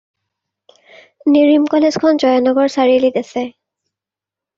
নেৰিম কলেজখন জয়ানগৰ, চাৰিআলিত আছে।